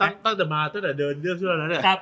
ตั้งแต่มาตั้งแต่เดินเรื่องที่ว่าแล้วเนี่ย